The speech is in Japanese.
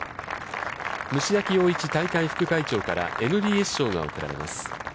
虫明洋一大会副会長からＭＢＳ賞が贈られます。